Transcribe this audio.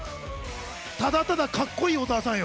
ただただカッコいい小澤さんよ。